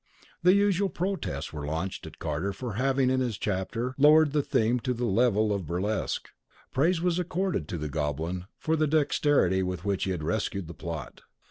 the usual protests were launched at Carter for having in his chapter lowered the theme to the level of burlesque; praise was accorded to the Goblin for the dexterity with which he had rescued the plot.